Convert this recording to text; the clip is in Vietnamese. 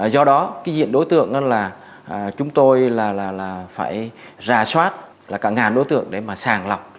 do đó cái diện đối tượng là chúng tôi là phải ra soát là cả ngàn đối tượng để mà sàng lọc